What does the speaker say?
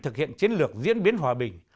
thực hiện chiến lược diễn biến hòa bình